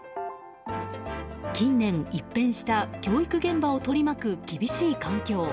近年、一変した教育現場を取り巻く厳しい環境。